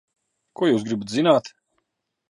Ko jūs gribat zināt?